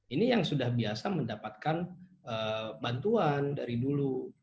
ini yang sudah biasa mendapatkan bantuan dari dulu